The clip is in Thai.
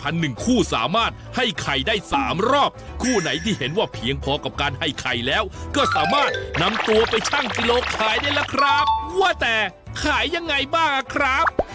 นำตัวไปชั่งกิโลขายได้แล้วครับว่าแต่ขายยังไงบ้างครับ